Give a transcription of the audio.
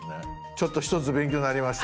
ちょっと一つ勉強になりました。